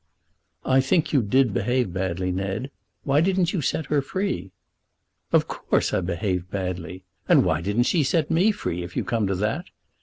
"I think you did behave badly, Ned. Why didn't you set her free?" "Of course, I behaved badly. And why didn't she set me free, if you come to that?